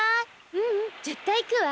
ううん、絶対行くわ。